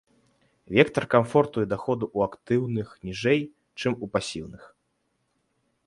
Вектар камфорту і даходу ў актыўных ніжэй, чым у пасіўных.